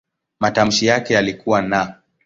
Matamshi yake yalikuwa "n".